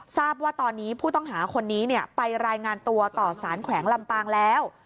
ทราบว่าตอนนี้ผู้ต้องหาคนนี้ไปรายงานตัวต่อสารแขวงลำปางแล้ว